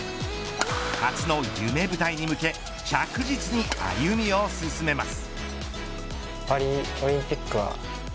初の夢舞台に向け着実に歩みを進めます。